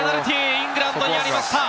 イングランドになりました。